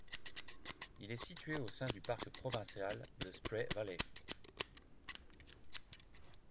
Il est situé au sein du parc provincial de Spray Valley.